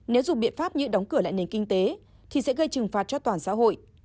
nếu dùng biện pháp như đóng cửa lại nền kinh tế thì sẽ gây trừng phạt cho toàn xã hội